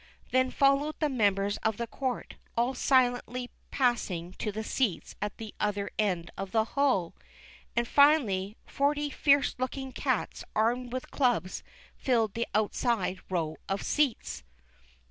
Then followed the members of the court, all silently passing to the seats at the other eird of the hall ; and finally forty fierce looking cats armed with clubs filled the outside row of seats.